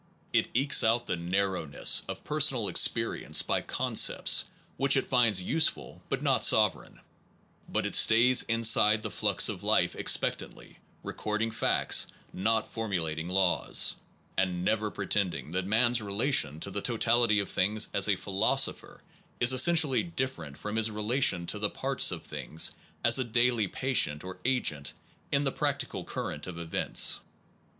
It ekes out the narrowness of personal experience by concepts which it finds useful but not sovereign; but it stays inside the flux of life expectantly, recording facts, not formulat ing laws, and never pretending that man s relation to the totality of things as a philoso pher is essentially different from his relation to the parts of things as a daily patient or agent in the practical current of events.